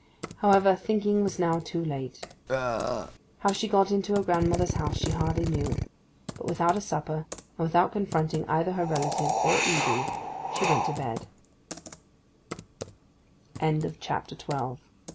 However, thinking was now too late. How she got into her grandmother's house she hardly knew; but without a supper, and without confronting either her relative or Edy, she went to bed.